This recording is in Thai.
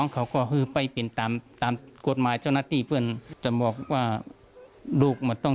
เขาก็ผู้ตามกฎไม้จาวนาทีเปล่าจะบอกว่าลูกมันต้อง